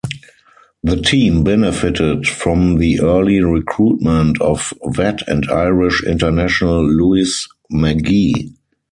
The team benefited from the early recruitment of vet and Irish international Louis Magee.